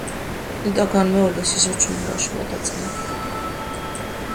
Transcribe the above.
ნეტავ განმეორდეს ისევ ჩვენი ბავშვობა და წლები!